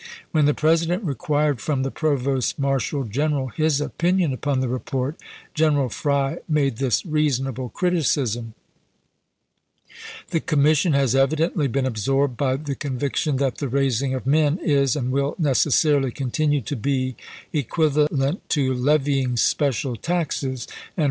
When the President required from the Provost Marshal General his opinion upon the report, General Fry made this reasonable criticism: The commission has evidently been absorbed by the conviction that the raising of men is, and will necessarily continue to be, equivalent to levying special taxes and 42 ABRAHAM LINCOLN chap. ii.